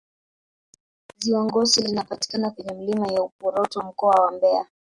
Ziwa Ngosi linapatikana kwenye milima ya Uporoto Mkoa wa Mbeya